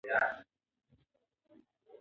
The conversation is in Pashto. امبولانس په ډېر سرعت سره روغتون ته روان و.